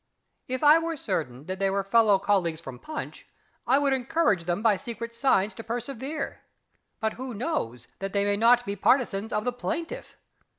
If I were certain that they were fellow colleagues from Punch, I would encourage them by secret signs to persevere but who knows that they may not be partisans of the plaintiff?